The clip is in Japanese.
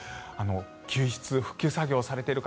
救出、復旧作業を始めている方